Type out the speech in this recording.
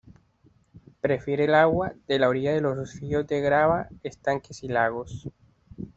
Prefiere el agua de la orilla de los ríos de grava, estanques y lagos.